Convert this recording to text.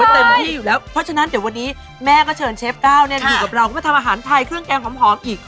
เต็มที่อยู่แล้วเพราะฉะนั้นเดี๋ยววันนี้แม่ก็เชิญเชฟก้าวอยู่กับเราก็มาทำอาหารไทยเครื่องแกงหอมอีก